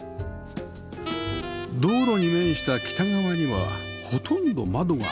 道路に面した北側にはほとんど窓がありません